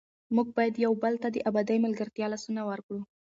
موږ باید یو بل ته د ابدي ملګرتیا لاسونه ورکړو.